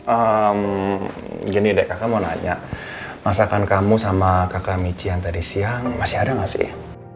amm gini dek kamu nanya masakan kamu sama kakak michi yang tadi siang masih ada enggak sih